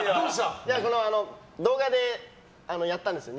動画でやったんですよ